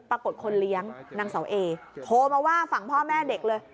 คนเลี้ยงนางเสาเอโทรมาว่าฝั่งพ่อแม่เด็กเลย